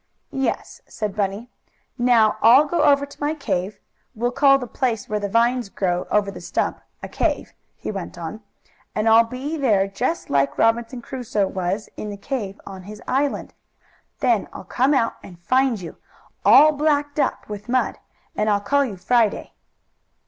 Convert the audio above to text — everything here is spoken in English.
"Yes," said Bunny. "Now I'll go over to my cave we'll call the place where the vines grow over the stump a cave," he went on, "and I'll be there just like Robinson Crusoe Was in the cave on his island. Then I'll come out and find you, all blacked up with mud, and I'll call you Friday."